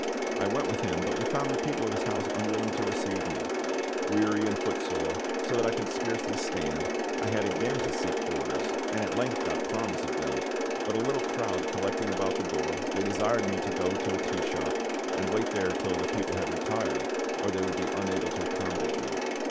I went with him, but we found the people of his house unwilling to receive me. Weary and footsore, so that I could scarcely stand, I had again to seek quarters, and at length got promise of them; but a little crowd collecting about the door, they desired me to go to a tea shop and wait there till the people had retired, or they would be unable to accommodate me.